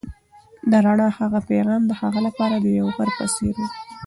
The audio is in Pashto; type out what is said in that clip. د رڼا هغه پيغام د هغه لپاره د یو غږ په څېر و.